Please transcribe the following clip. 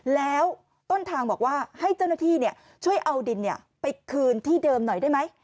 แล้วต้นทางบอกว่าให้เจ้าหน้าที่ช่วยเอาดินไปคืนที่เดิมหน่อยได้ไหม